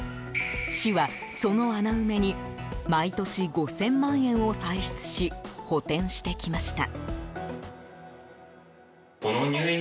市は、その穴埋めに毎年５０００万円を歳出し補填してきました。